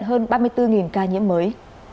hơn ba mươi bốn ca nhiễm mới